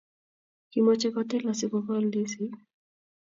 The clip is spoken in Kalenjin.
Kimochei kotil asikokol ndisik